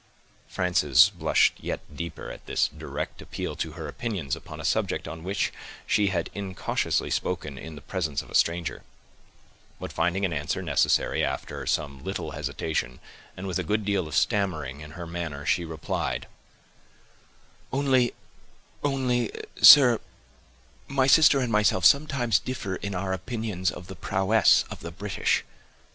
Frances blushed yet deeper at this direct appeal to her opinions upon a subject on which she had incautiously spoken in the presence of a stranger; but finding an answer necessary, after some little hesitation, and with a good deal of stammering in her manner, she replied,— "Only—only—sir—my sister and myself sometimes differ in our opinions of the prowess of the British."